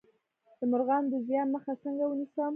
د مرغانو د زیان مخه څنګه ونیسم؟